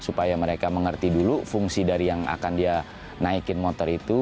supaya mereka mengerti dulu fungsi dari yang akan dia naikin motor itu